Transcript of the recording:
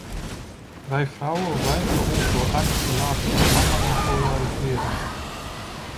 Wij vrouwen weigeren ons door angst te laten verlammen en polariseren.